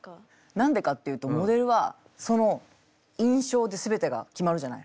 何でかっていうとモデルはその印象ですべてが決まるじゃない？